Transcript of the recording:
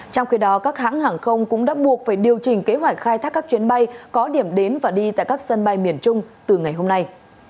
trong khi đó các hãng hàng không cũng đã buộc phải điều chỉnh kế hoạch khai thác các chuyến bay có điểm đến và đi tại các sân bay miền trung từ ngày hôm nay